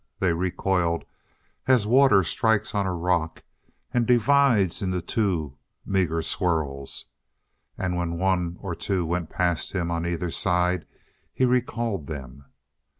They recoiled as water strikes on a rock and divides into two meager swirls. And when one or two went past him on either side, he recalled them.